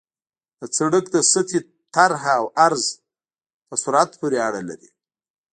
د سرک د سطحې طرح او عرض په سرعت پورې اړه لري